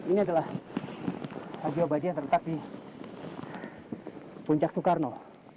ini adalah salju abadi yang terletak di puncak soekarno